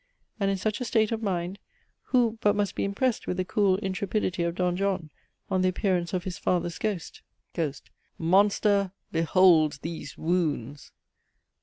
And in such a state of mind, who but must be impressed with the cool intrepidity of Don john on the appearance of his father's ghost: "GHOST. Monster! behold these wounds!